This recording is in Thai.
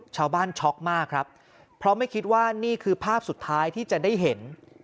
ช็อกมากครับเพราะไม่คิดว่านี่คือภาพสุดท้ายที่จะได้เห็น